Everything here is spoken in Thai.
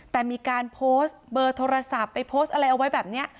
แต่มีการโพสต์เบอร์โทรศัพท์ไปโพสต์อะไรเอาไว้แบบนี้